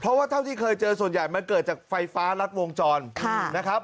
เพราะว่าเท่าที่เคยเจอส่วนใหญ่มันเกิดจากไฟฟ้ารัดวงจรนะครับ